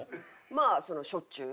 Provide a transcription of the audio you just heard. まあしょっちゅう。